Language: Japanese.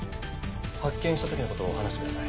発見した時の事を話してください。